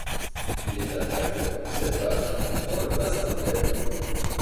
Il est un affluent du Zemmbach dans le bassin du Danube.